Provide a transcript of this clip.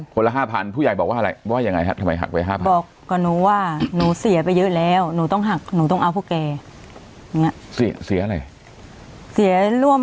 เขาหักไว้เงินแรกเลย๕๐๐๐